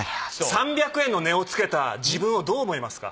３００円の値をつけた自分をどう思いますか？